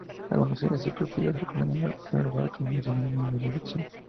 Algunas enciclopedias recogen "al-jabr" como sinónimo de "reducción".